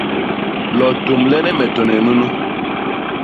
Lo tômlene me tone nunu.